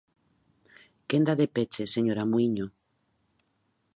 Quenda de peche, señora Muíño.